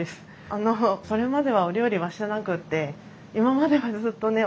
あのそれまではお料理はしてなくって今まではずっとね